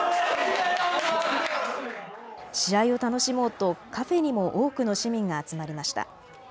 試合を楽しもうとカフェにも多くの市民が集まりました。